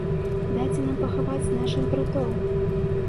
Дайце нам пахаваць нашых братоў!